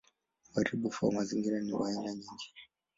Uharibifu wa mazingira ni wa aina nyingi.